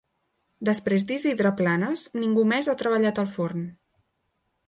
Després d'Isidre Planes, ningú més ha treballat al forn.